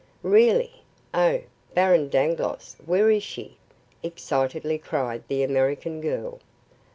"Really? Oh, Baron Dangloss, where is she?" excitedly cried the American girl.